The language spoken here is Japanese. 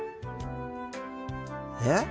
えっ？